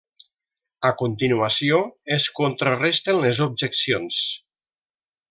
A continuació, es contraresten les objeccions.